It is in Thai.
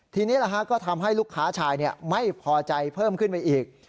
ทีนี้ก็ทำให้ลูกค้าชายไม่พอใจเพิ่มขึ้นไปอีก